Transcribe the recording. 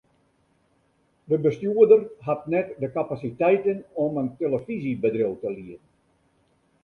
De bestjoerder hat net de kapasiteiten om in telefyzjebedriuw te lieden.